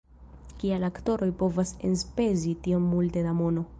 Kial aktoroj povas enspezi tiom multe da mono!